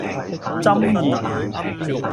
箴言